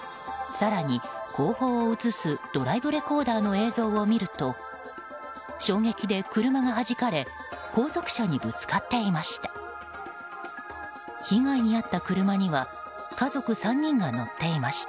更に、後方を映すドライブレコーダーの映像を見ると衝撃で車がはじかれ後続車にぶつかっていました。